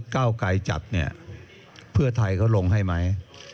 เก้าไกลจัดเนี่ยเพื่อไทยเขาลงให้ไหม